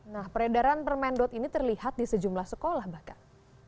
nah peredaran permendot ini terlihat di sejumlah sekolah bakat